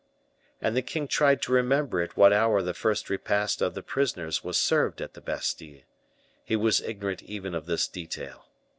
And the king tried to remember at what hour the first repast of the prisoners was served at the Bastile; he was ignorant even of this detail.